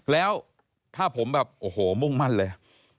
แล้วถ้าผมแบบโอ้โหมุ่งมั่นเลย